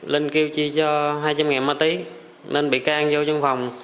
linh kêu chi cho hai trăm linh ma tí nên bị can vô trong phòng